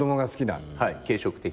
はい軽食的な。